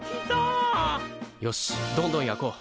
よしどんどん焼こう。